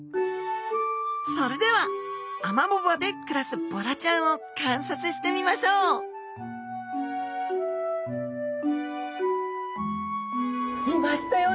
それではアマモ場で暮らすボラちゃんを観察してみましょういましたよ